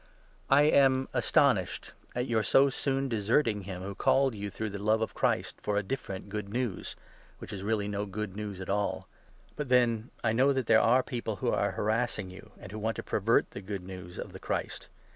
The Apostle's ^ am astonished at your so soon deserting him, 6 Disappoint who called you through the love of Christ, ment. for a different 'Good News,' which is really no 7 Good News at all. But then, I know that there are people who are harassing you, and who want to pervert the Good News of the Christ.